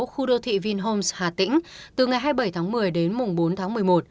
khu đô thị vinhome hà tĩnh từ ngày hai mươi bảy tháng một mươi đến mùng bốn tháng một mươi một